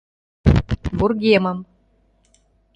вургемым.